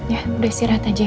ya udah istirahat aja